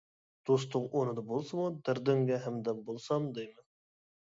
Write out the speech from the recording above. دوستۇڭ ئورنىدا بولسىمۇ دەردىڭگە ھەمدەم بولسام دەيمەن.